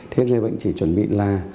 thế người bệnh chỉ chuẩn bị là